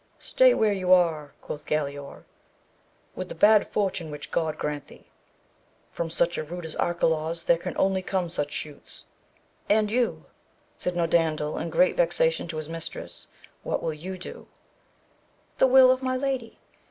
Stay where you are, quoth Galaor, with the bad fortune which God grant thee ! from such a root as Arcalaus, there can only come such shoots. And you, said Norandel in great vexa tion to his mistress, what will you do 1 — The will of my lady.